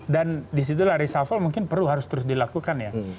dan disitulah reshuffle mungkin perlu harus terus dilakukan ya